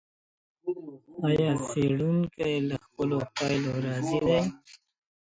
ایا څېړونکی له خپلو پایلو راضي دی؟